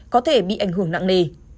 có thể bị ảnh hưởng nặng nề